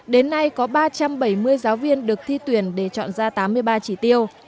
đến nay có ba trăm bảy mươi giáo viên được thi tuyển để chọn ra tám mươi ba chỉ tiêu